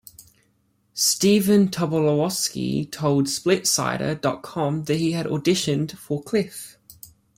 Stephen Tobolowsky told SplitSider dot com that he had auditioned for Cliff.